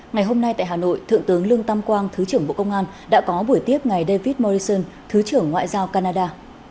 ngày hôm nay tại hà nội thượng tướng lương tam quang thứ trưởng bộ công an đã có buổi tiếp ngày david morrison thứ trưởng ngoại giao canada